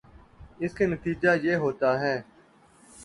اس کا نتیجہ یہ ہوتا ہے